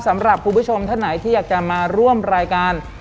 สำหรับคุณผู้ชมท่านไหนที่อยากจะมาร่วมรายการ